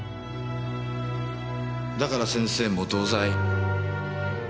だから先生も同罪。